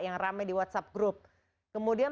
yang rame di whatsapp group kemudian